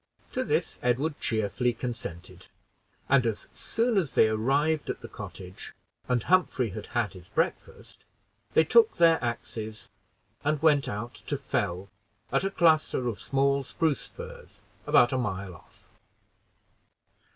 To this Edward cheerfully consented; and as soon as they arrived at the cottage, and Humphrey had his breakfast, they took their axes and went out to fell at a cluster of small spruce fir about a mile off.